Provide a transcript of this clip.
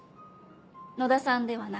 野田さんではなく。